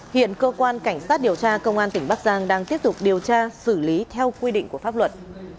hiện cơ quan cảnh sát điều tra công an tỉnh bắc giang đang tiếp tục điều tra xử lý theo quy định của pháp luật